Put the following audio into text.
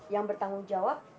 yang bertanggung jawab